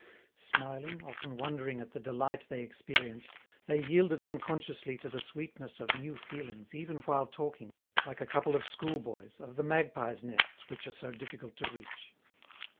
Smiling, often wondering at the delight they experienced, they yielded unconsciously to the sweetness of new feelings even while talking, like a couple of schoolboys, of the magpies' nests which are so difficult to reach.